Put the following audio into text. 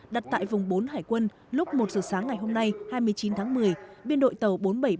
đặt tại vùng bốn hải quân lúc một giờ sáng ngày hôm nay hai mươi chín tháng một mươi biên đội tàu bốn trăm bảy mươi ba bốn trăm sáu mươi bảy